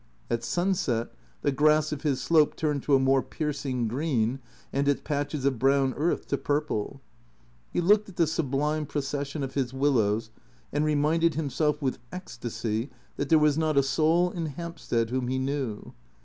At sunset the grass of his slope turned to a more piercing green and its patches of brown earth to purple. He looked at the sublime procession of his willows and reminded himself with ecstasy that there was not a soul in Hampstead whom he knew.